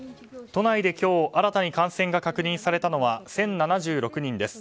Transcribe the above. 都内で今日新たに感染が確認されたのは１０７６人です。